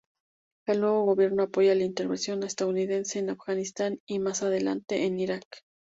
El nuevo gobierno apoya la intervención estadounidense en Afganistán y más adelante en Iraq.